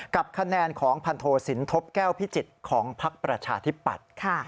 กับคะแนนของพันโทสินทบแก้วพิจิตรของพักประชาธิปัตย์